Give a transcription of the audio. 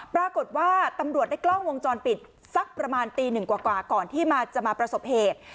ปรากฏว่าตำรวจได้กล้องวงจรปิดสักประมาณตีหนึ่งกว่าก่อนที่จะมาประสบเหตุ